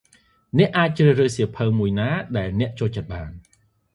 អ្នកអាចជ្រើសរើសសៀវភៅមួយណាដែលអ្នកចូលចិត្តបាន។